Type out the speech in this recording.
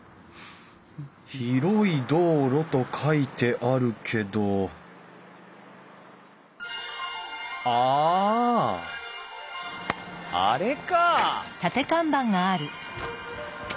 広い道路と書いてあるけどあああれか！